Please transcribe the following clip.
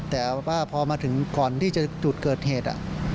แต่ว่าพอมาถึงก่อนที่จะจุดเกิดเหตุ